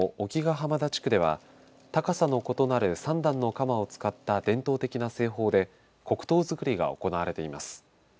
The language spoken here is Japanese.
浜田地区では高さの異なる３段のかまを使った伝統的な製法で黒糖作りが行われています。